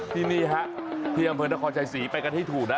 ที่นี่ฮะที่อำเภอนครชัยศรีไปกันให้ถูกนะ